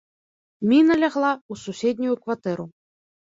Міна лягла ў суседнюю кватэру.